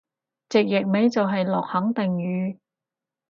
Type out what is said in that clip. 直譯咪就係落肯定雨？